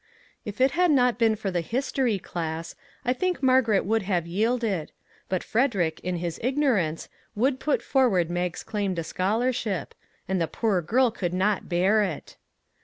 If it had not been for the history class, I think Margaret would have yielded, but Fred erick, in his ignorance, would put forward 366 "EXCELLENT' Mag's claim to scholarship; and the poor girl could not bear it.